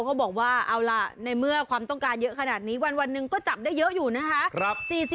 เขาบอกว่าเอาล่ะในเมื่อความต้องการเยอะขนาดนี้วันหนึ่งก็จับได้เยอะอยู่นะคะ